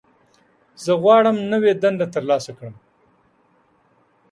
زه غواړم نوې دنده ترلاسه کړم.